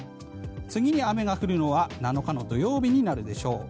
次に雨が降るのは７日の土曜日になるでしょう。